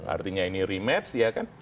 artinya ini rematch ya kan